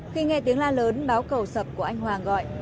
khi nghe tiếng la lớn báo cầu sập của anh hoàng gọi